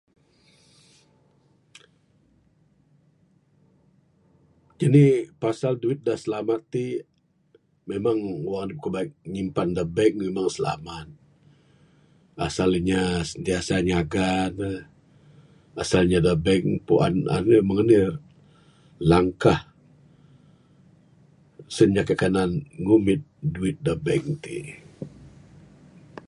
Jinik pasal duit de selama tik, memang wong ku kelek nyimpan deg bank memang silamat, asal inya sentiasa nyaga deh, asal inya de bank puan ne mbeh mung nih irak langkah, sen mah genan ngumbit duit de bank tik.